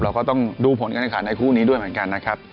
ก็ต้องดูผลการแข่งขันในคู่นี้ด้วยเหมือนกันนะครับ